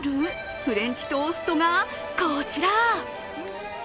フレンチトーストが、こちら。